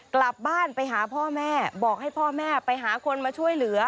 กลับบ้านไปหาพ่อแม่บอกให้พ่อแม่ไปหาคนมาช่วยเหลือ